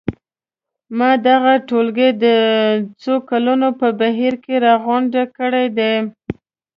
ما دغه ټولګه د څو کلونو په بهیر کې راغونډه کړې ده.